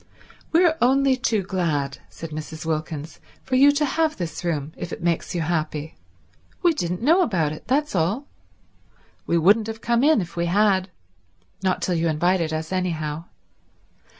"We're only too glad," said Mrs. Wilkins, "for you to have this room if it makes you happy. We didn't know about it, that's all. We wouldn't have come in if we had—not till you invited us, anyhow.